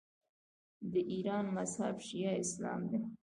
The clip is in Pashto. د ایران مذهب شیعه اسلام دی.